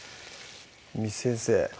簾先生